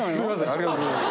ありがとうございます。